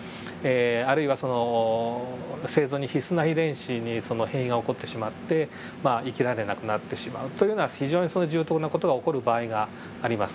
あるいはその生存に必須な遺伝子に変異が起こってしまって生きられなくなってしまうというのは非常に重篤な事が起こる場合があります。